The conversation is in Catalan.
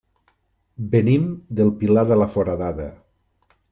Venim del Pilar de la Foradada.